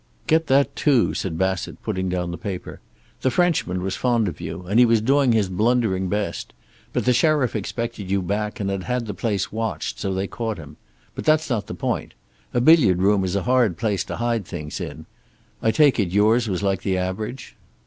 "Get that, too," Bassett said, putting down the paper. "The Frenchman was fond of you, and he was doing his blundering best. But the sheriff expected you back and had had the place watched, so they caught him. But that's not the point. A billiard room is a hard place to hide things in. I take it yours was like the average."